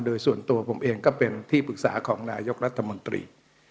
โดยส่วนตัวผมเองก็เป็นที่ปรึกษาของนายกรัฐมนตรี